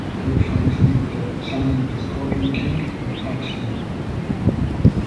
Rick finds Imhotep summoning the Scorpion King and fights him.